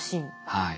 はい。